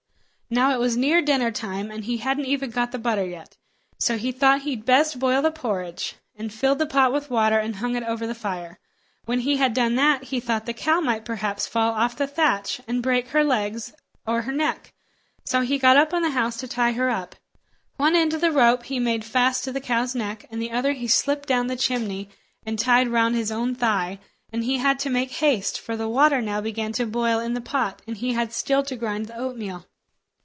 Now it was near dinner time, and he hadn't even got the butter yet; so he thought he'd best boil the porridge, and filled the pot with water, and hung it over the fire. When he had done that, he thought the cow might perhaps fall off the thatch and break her legs or her neck. So he got up on the house to tie her up. One end of the rope he made fast to the cow's neck, and the other he slipped down the chimney and tied round his own thigh; and he had to make haste, for the water now began to boil in the pot, and he had still to grind the oatmeal.